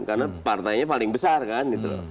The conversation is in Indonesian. karena partainya paling besar kan gitu